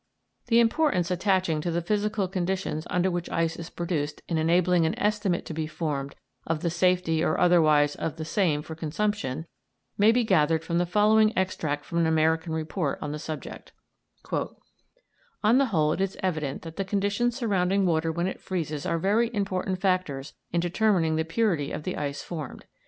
The importance attaching to the physical conditions under which ice is produced in enabling an estimate to be formed of the safety or otherwise of the same for consumption may be gathered from the following extract from an American report on the subject: "On the whole it is evident that the conditions surrounding water when it freezes are very important factors in determining the purity of the ice formed.